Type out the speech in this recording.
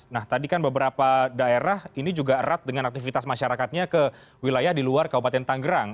nah tadi kan beberapa daerah ini juga erat dengan aktivitas masyarakatnya ke wilayah di luar kabupaten tanggerang